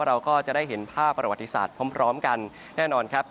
เราก็จะได้เห็นภาพประวัติศาสตร์พร้อมกันแน่นอนครับ